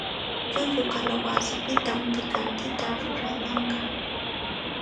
Llullu kalawasapita pikantita rurayanqa.